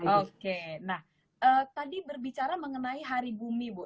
oke nah tadi berbicara mengenai hari bumi bu